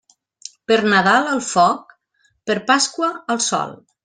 Per Nadal al foc, per Pasqua al sol.